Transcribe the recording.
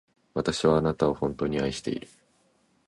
私はあなたを、本当に愛している。